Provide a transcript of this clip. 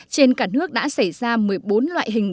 trên cả nước đã xảy ra một mươi bốn loại hình